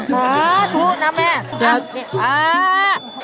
เออถูกนะแม่เอ้านี่เออ